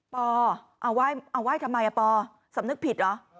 ปอเอาไหว้ทำไมปอสำนึกผิดเหรอ